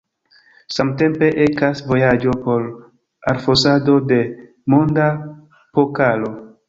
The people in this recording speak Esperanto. Samtempe ekas vojaĝo por orfosado de Monda Pokalo.